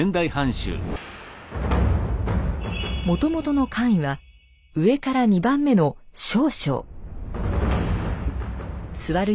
もともとの官位は上から２番目の「少将」。